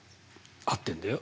合ってるんだよ。